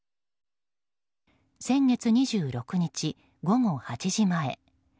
先月２６日午後８時前。